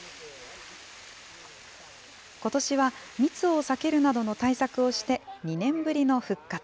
ことしは密を避けるなどの対策をして、２年ぶりの復活。